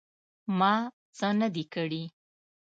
_ما څه نه دي کړي.